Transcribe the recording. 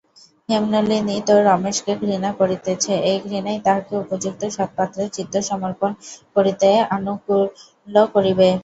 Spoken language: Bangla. হেমনলিনী তো রমেশকে ঘৃণা করিতেছে–এই ঘৃণাই তাহাকে উপযুক্ত সৎপাত্রে চিত্তসমর্পণ করিতে আনুকূল্য করিবে।